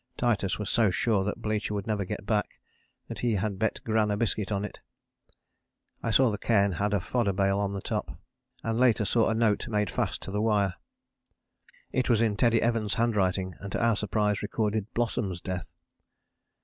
Titus was so sure that Blücher would never get back, that he had bet Gran a biscuit on it. I saw the cairn had a fodder bale on the top, and later saw a note made fast to the wire. It was in Teddy Evans' handwriting and to our surprise recorded Blossom's death.